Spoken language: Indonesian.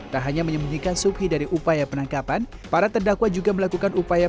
tak hanya menyembunyikan suphi dari upaya penangkapan para terdakwa juga melakukan upaya